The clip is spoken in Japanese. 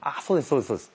そうですそうです。